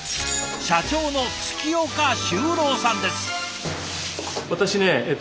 社長の月岡周郎さんです。